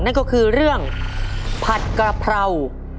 นั่นก็คือเรื่องผัดกระเพรา